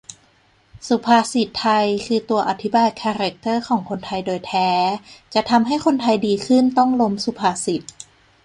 สุภาษิตไทยคือตัวอธิบายคาร์แร็คเตอร์ของคนไทยโดยแท้ จะทำให้คนไทยดีขึ้นต้องล้มสุภาษิต